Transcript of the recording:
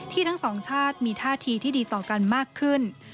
ทั้งสองชาติมีท่าทีที่ดีต่อกันมากขึ้น